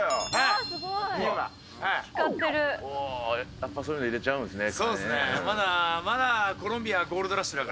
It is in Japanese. やっぱそういうの入れちゃうんですね。